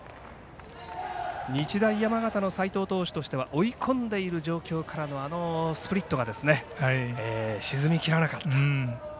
日大山形の齋藤投手としては追い込んでいる状況からのスプリットが沈みきらなかった。